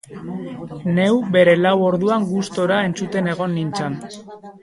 Neu bere lau orduan gustora entzuten egon nintzan.